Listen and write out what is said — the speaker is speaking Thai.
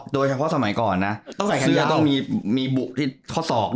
โดยเฉพาะสมัยก่อนนะเสื้อต้องมีบุข์ที่เคาะสอกด้วย